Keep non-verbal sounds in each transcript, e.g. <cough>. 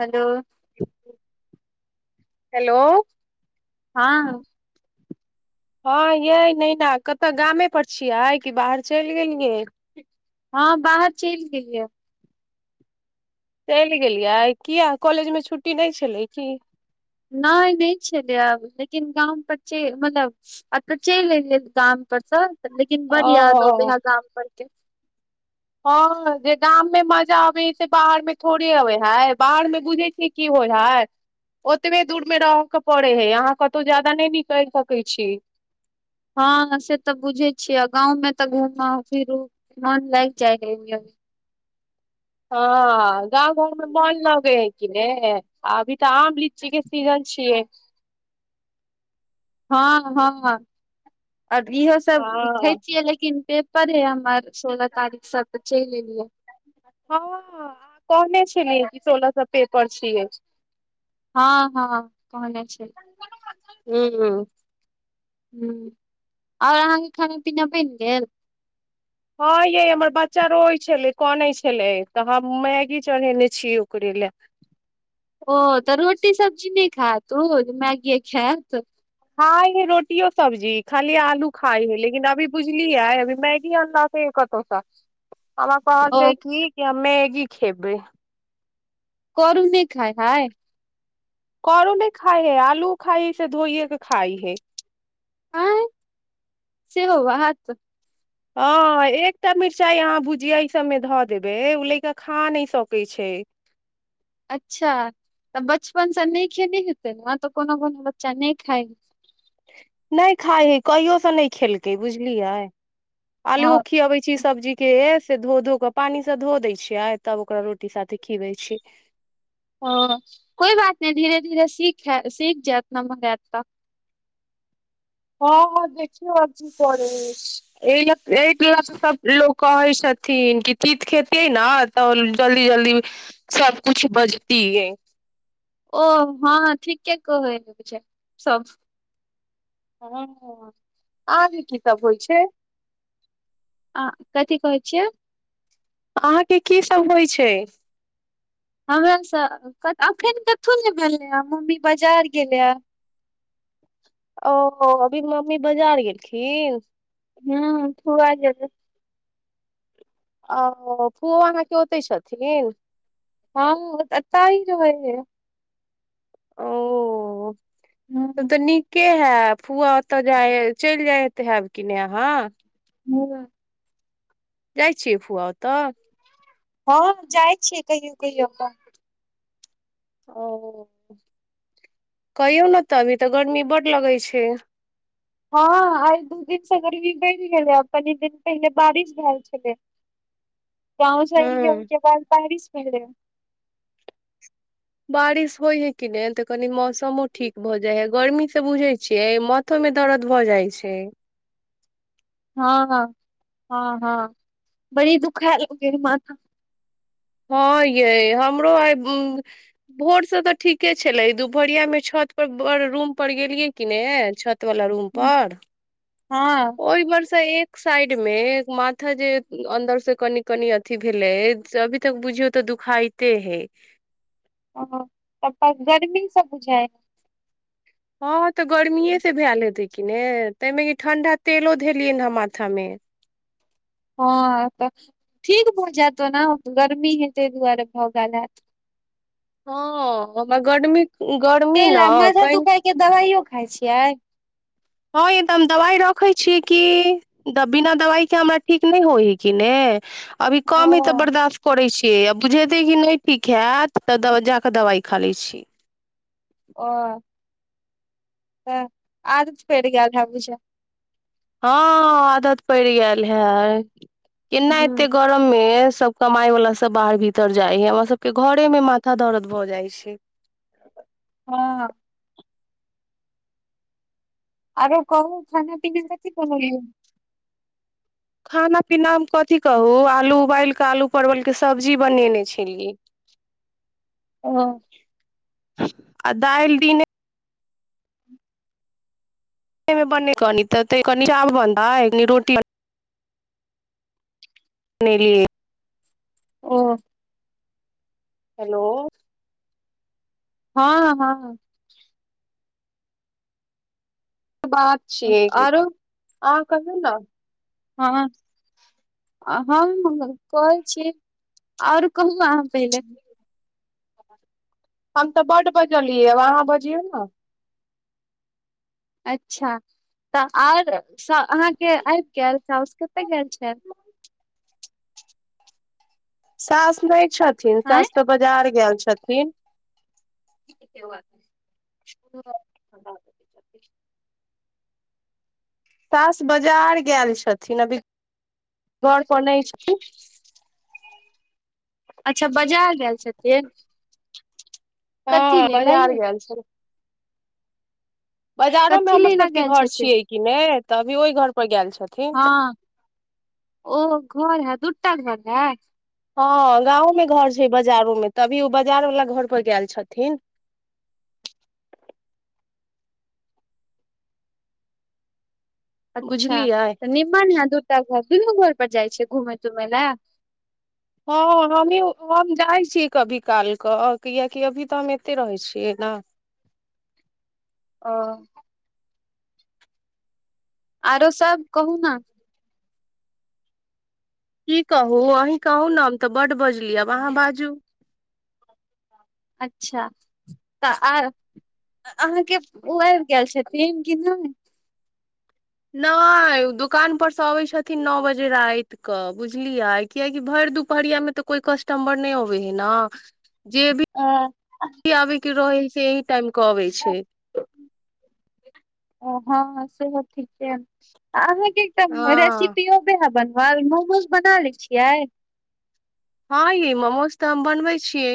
Hello hello हँ हँ यै नैना कत गामे पर छियै कि बाहर चलि गेलियै हँ बाहर चलि गेलियै चलि गेलियै किया कॉलेजमे छुट्टी नहि छलै की नहि नहि छलै आब लेकिन गाम पर के मतलब आब तऽ चलि एलियै गाम पर स लेकिन बड याद अबै ओ ह गाम पर के <inaudible> हँ जे गाममे माजा अबै हइ से बाहरमे थोड़े अबैत हइ बाहरमे बुझैत छियै की होइ हइ ओतबे दूरमे रहयके पड़ैत हइ अहाँ कतहु ज्यादा नहि निकलि सकैत छी। हँ से तऽ बुझै छियै गाँवमें तऽ घूम फिरू मन लागि जाइ अ हँ गाँव घरमे मल लगे है कि ने अभी तऽ आम लीची के सीजन छियै हँ हँ अब इहो सब <unintelligible> हँ पेपर हय हमर सोलह तारीख स चलि एलियै हँ कहने छेले कि सोलह स पेपर छियै। हँ हँ कहने छैय हू ह्म आओर अहाँके खाना पीना बनि गेल हँ यै हमर बच्चा रोये छलै कनै छलै तऽ हम मैगी चढ़ेने छीयै ओकरे लए। ओ तऽ रोटी सब्जी ने खात मैगीये खैत यो सब्जी खाली आलू खाइ हय लेकिन अभी बुझलियै अभी मैगी अनल कतहुसँ हमरा कहल ओ के जे कि हम मैगी की खेबै करू नहि खाय हइ करू नहि खाइ हय आलू खाइ हय से धोइए के खाइ हय। आँय सेहो बात हँ एकटा मिर्चाइ अहाँ भुजिया ई सभमे धऽ देबै ओ लएका खा नहि सकै छैय। अच्छा तऽ बचपनसँ नहि खेने हेतै ने तऽ कोनो कोनो बच्चा नहि खाइ नहि खाइ हय कहियोसँ नहि खेलकै बुझलियै हँ आलू खियाबै छीये से सब्जी के से धो धो क पानी से धो दै छियै तब ओकरा रोटी साथे खीबै छी ओ कोइ बात नहि धीरे धीरे सीख सीख जैत ना नमहर हैत त हँ हँ देखियौ आब की करै एहि ल एहि लऽ तऽ सभ लोक कहै छथिन कि चित खेतियै ने तऽ जल्दी जल्दी सभकिछु बजतियै ओ हँ ठीके क कहै छैय सब आहान के की सभ होइ छै आ कथी कहै छियै अहाँके हमर सभ एखन कथहु नेे भेलै ह मम्मी बाजार गेलै ओ अभीर मम्मी बाजार गेलखिन हँ थ आ जेत ओ पुआना के ओतहि छथिन <unintelligible> हँ अता ही रहै ह त तऽ नीके ह फुआ ओतऽ जाइ चलि जाए तऽ हब कि नहि हँ हू जाइ छियै फुआ ओ तऽ हँ जाइ छियै कहियौ कहियो अपन ओ कहि नहि त अबी तऽ गर्मी बड्ड लगै छै हँ आइ दू दिनसँ गर्मी बढ़ि गेलै कनी दिन पहिले बारिश भेलए छलै गाँव सली हँ होहिके बाद बाहरि हले बारिश होइ हइ कि नहि तऽ कनि मौसमो ठीक भऽ जाइ हइ गर्मीसँ बुझैत छियै माथोमे दर्द भऽ जाइत छै हँ हँ हँ हँ बड़ी दुखाय लै माथा हँ यै हमरो आइ भोरसँ तऽ ठीके छलै दुपहरियामे छतपर बड़ रूमपर गेलियै कि ने छत वला रूम पर हँ ओहि वर्ष एक साइड मे माथा जे अन्दर से कनि कनि अथिी भेलै से अभी तक बुझियौ तऽ दुखाते है ह त पर गर्मी सब जाइ ओ ऽ गर्मी ह से भैलेहे तै किने ताहिमे कि ठंढा तेलो धेलियनि ह माथामे हँ तऽ ठीक भऽ जायत ओ ने गर्मी हे ताहि दुआरे भऽ गेल हैत हँ हमरा गर्मी गर्मी ताहि ने लए माथा कनि दुखाय के दवाइयो खाइ छियै हँ एकदऽ हम दबाइ रखै छीिय कि बिना दबाइके हमरा ठीक नहि होइ हइ कि ने अभी ओ कम हय तऽ बर्दाश्त करै छी के आ बुझेतै कि नहि ठीक हत तऽ जााकऽ दबाइ खा लै छी ओ ह आदत पैर गेल छैभूष हँ आदत पड़ि गेल है एनऐते हूँ गोरमेे सब कमाइ वला सब बाहर भीतर जाइ है हमर सबके घरे मे माथा दर्द भऽ जाइ छै हँ आरो कहुँ खाना पीना कथिी बनलियै खाना पीनामे कथी कहू आलू उबालि कऽ आलू परवलकेँ सब्जी बनेने छलियै ह <inaudible> आ दाइल दीने मे बन कनी तऽ त कनी आब भ रोटी ने लिए ओ हेलो हँ हँ बात छियै कि आरो हँ कहू ने हँ हम कहैत छी आओर कहु अहाँ पहिले हम तऽ बड बजलियै अहाँ बजियौ ने अच्छा तऽ आर अहाँकेँ आबि गेल साउस कतय गेल छेल सासमे <unintelligible> छथिन आँय सास त बजार गेल छथिन ह <inaudible> <inaudible> सास बजार गेल छथिन अभी घर पर नहि छथिन अच्छा बाजार गेल छथिन कथी हँ लेल बाजार आइये गेल छथिन बाजारोमे कथी हमर लेला सबकेँ गेल घर छथिन छियैक नहि तभी ओहि घर पर गेल छै हँ ओ घर है दू दूटा घर अति।। हँ गाँमोमे घर छैक बाजारोमे तभी ओ बाजार वला घर पर गेल छथिन अच्छा बुझलियै तऽ निम्मन हाँ दुटा घर दुनू घर पर जाय छिए घूमय तम ने <unintelligible> हँ हमही हम जाइ छी कभी कालकेँ कियाकि अभी तऽ हम एतय रहय छियैक ने अ <inaudible> आरो सब कहू ने की कहू अहीँ कहू ने हम तऽ बड्ड बजलि अहाँ बाजू अच्छा तऽ आ अहाँके उ आबि गेल छथिन कि नहि नहि दोकानपर सँ अबैत छथिन नओ बजे रातिक कँ बुझलियै कियकि भरि दुपहरियामे तऽ कोइ कस्टमर नहि अबय हे न जे अ भी आबे के रहै <inaudible> से टाइम अबय छैक <inaudible> ओ हँ से त ठीक छैक एक हँ रेसिपि भ ह बन <unintelligible> मोमोज बना लै छियै हँ ये मोमोज तऽ हम बनबय छियै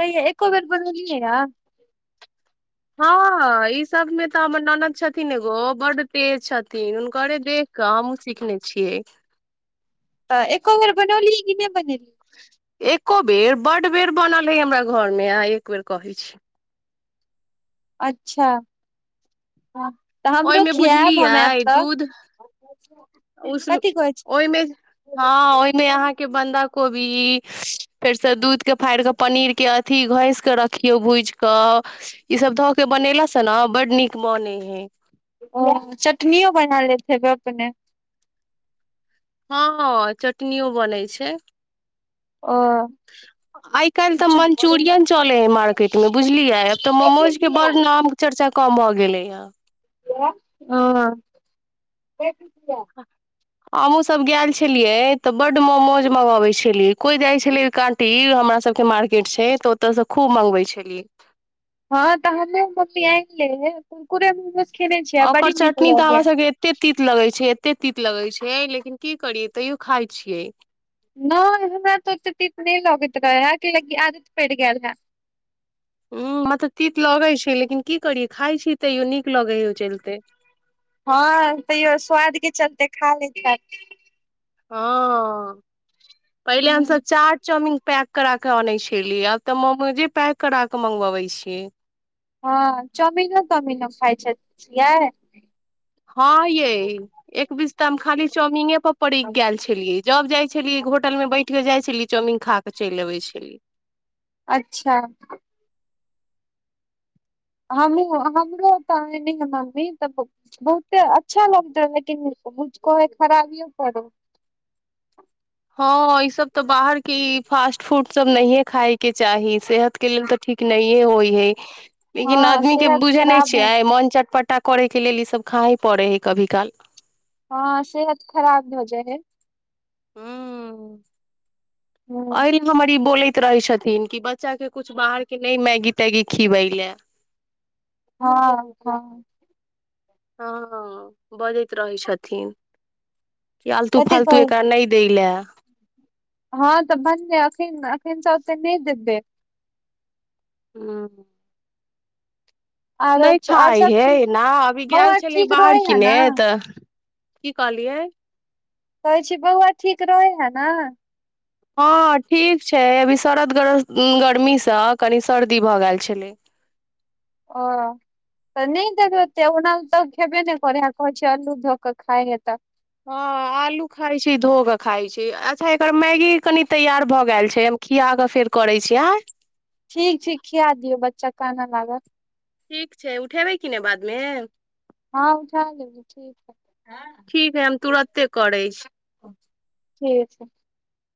तहि एको बेर बनेलियै य हँ ई सबमे तऽ हमर ननदि छथिन एगो ओ बड्ड तेज छथिन हुनके देख कऽ हममूँ सिखने छियै तऽ एको बेर बनौलहि कि नहि बनेलही एको बेर बड बेर बनल हय हमरा घर मे अहाँ एक बेर कहै छी। अच्छा। तऽ हमरो ओहिमे खिआयब हम आयब बुझलियै तऽ। दूध उस कथी कहै छी ओहिमे हँ ओहिमे अहाँके बन्दा को कोभी फेरसँ दूध के फाड़ि कऽ पनीर के अथी घस के रखियौ भूज कऽ ई सब धऽ के बनेलास से ने बड नीक बनय हय ब अपने हँ चटनीओ बनै छै ओ आइ काल्हि तऽ अच्छा ओ मन्चुरियन चलै ह मार्केटमे बुझलियै तऽ मोमोजके बड़ नाम चर्चा कम हो गेलै य हँ ह हमहूँ सब गेल छलियै तऽ बड्ड मोमोज मंगाबै छलियै कोई जाइ छले कान टी हमरा सब के मार्केट से तऽ ओतऽ से खूब मंगबै छलियै हँ तऽ हम्मे मम्मी आनि लैय हम कुरकुरे मोमोज खेने छियै ओकर बड़ी नीक चटनी तऽ हमरा लगैया सभके एतेक तीत लगै छै ते तीत लगै छै लेकिन की करियै तैयो खाइ छियै नहि हमरा ओतेक त तीत नहि लगैत रहै कि आदत प‌इर गेल हेए ह मतलब तीत लगैत छै लेकिन की करिय खाइ छी तैयो नीक लगैय ओ चलिते हँ तैयो स्वाद के चलते खा लै छथि हँ पहिल हमस हँ चाट चाउमीन पैक करा के अनै छलिय आब तऽ मोमोजे पैक करा के मंगबाबै छियै हँ चौमीनो तौमीनो खाय छै छियै त हम खाली चौमिंग परीक गेल छलियै जब जाइ छलियै होटल मे बैठ के जाइ छलै चौमिंग खा क चलि अबै छलीयै अच्छा हमू हमरो तऽ आनैय हे मम्मी तऽ बहुते अच्छा लगतै लेकिन कहे ह खराबियो करो हँ ई सब तऽ बाहर के इ फास्ट फूड सब नहिये खाय के चाही सेहत के लेल तऽ ठीक नहिे होइ हय लेकिन हँ आदमी के सेहत बुझे नहि खराब हो छियै मन चटपट छटा करेके लेल ई सब खा हे पड़े हय कभी काल हँ सेहत खराब भ जाइ ह हँ हँ अरे हमर बोलै रहै छथिन कि बच्चा केँ कछु बाहरकेँ नहि मैगी तैगी खिबय लए हँ हँ हँ बजैत रहय छथिन कि आलतू कथी फालतू कहै एकरा नहि दय ले <inaudible> हँ तऽ भनै एखन तऽ ओतेक नहि देबय ह <inaudible> आरो नहि आओर खाइ सब ठीक हेना अभी गेल बौआ छलै ठीक रहै बाहर है किने ने तऽ की कहली कहैत छी बौआ ठीक रहय हइ ने हँ ठीक छै अभी गर्मीसँ कनि सर्दी भऽ गेल छलैक ओ तऽ नहि त ओना तऽ खेबे नहि करैत अछि कहैत छैक अल्लू धऽ कऽ खाईले तऽ हँ आलू खाईत छी धो कऽ खाईत छी अच्छा एकर मैगी कनि तैयार भऽ गेल छैक हम खिया कऽ फेर करैत छी आँय ठीक ठीक खिया दियऔ बच्चा कानअ लागत ठीक छै उठेबै कि नहि बादमे हँ उठा लेबै ठीक है ठीक है हम तुरते करैत छी ठीक छैक